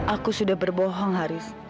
aku sudah berbohong haris